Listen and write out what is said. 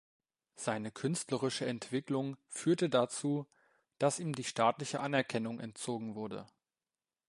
Seine künstlerische Entwicklung führte dazu, dass ihm die staatliche Anerkennung entzogen wurde.